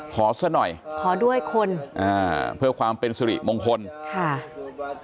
ขอซะหน่อยเพื่อความเป็นสุริมงคลขอด้วยคน